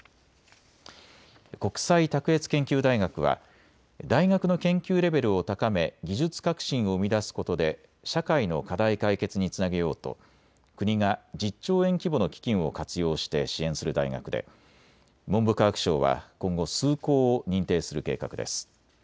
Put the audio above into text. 国際卓越研究大学は大学の研究レベルを高め技術革新を生み出すことで社会の課題解決につなげようと国が１０兆円規模の基金を活用して支援する大学で文部科学省は今後、数校を認定する計画です。